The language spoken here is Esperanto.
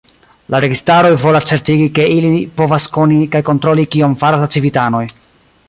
La registaroj volas certigi, ke ili povas koni kaj kontroli kion faras la civitanoj.